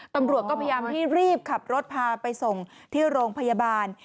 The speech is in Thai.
ตำรวจก็พยายามที่รีบขับรถพาไปส่งที่โรงพยาบาล